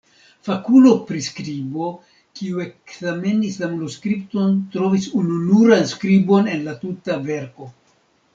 Fakulo pri skribo, kiu ekzamenis la manuskripton, trovis ununuran skribon en la tuta verko.